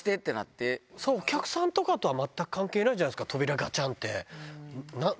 お客さんとかとは全く関係ないじゃないですか、扉がしゃんって。